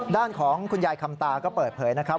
ด้านของคุณยายคำตาก็เปิดเผยนะครับ